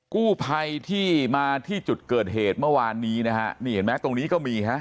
กู้ภัยที่มาที่จุดเกิดเหตุเมื่อวานนี้นะฮะนี่เห็นไหมตรงนี้ก็มีฮะ